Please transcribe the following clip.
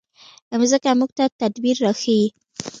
مځکه موږ ته تدبر راښيي.